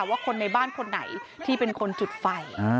ว่าคนในบ้านคนไหนที่เป็นคนจุดไฟ